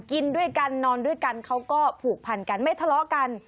กินด้วยกันนอนด้วยกันเขาก็ผูกพันกันไม่ทะเลาะกัน